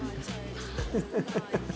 ハハハハ。